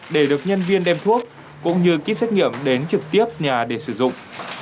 để được nhân viên đem thuốc cũng như kýt xét nghiệm đến trực tiếp nhà để sử dụng